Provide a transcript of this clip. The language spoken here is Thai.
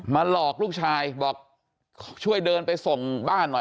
หลอกลูกชายบอกช่วยเดินไปส่งบ้านหน่อย